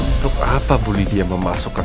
untuk apa bu lidia memasukkan